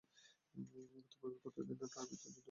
তবু আমি কতদিনই না তাঁহার বিরুদ্ধে যুদ্ধ করিয়াছি।